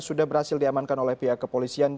sudah berhasil diamankan oleh pihak kepolisian